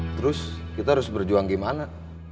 terus kita harus berjuang gimana